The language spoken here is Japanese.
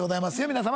皆様。